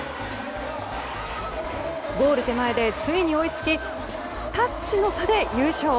ゴール手前で、ついに追いつきタッチの差で優勝！